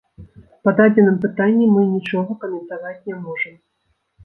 Па дадзеным пытанні мы нічога каментаваць не можам.